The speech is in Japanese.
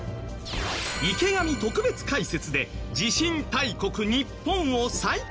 池上特別解説で地震大国日本を再確認しよう。